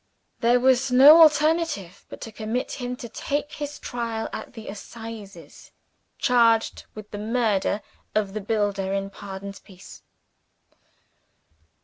There was no alternative but to commit him to take his trial at the Assizes, charged with the murder of the builder in Pardon's Piece.